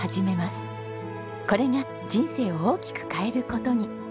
これが人生を大きく変える事に。